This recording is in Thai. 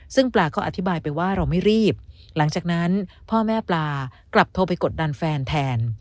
ซึ่งปลาก็อธิบายไปว่าเราไม่รีบหลังจากนั้นพ่อแม่ปลากลับโทรไปกดดันแฟนแทน